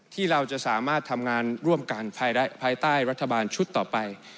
ที่เราจะสามารถทำงานร่วมกันภายใต้รัฐบาลชุดต่อไป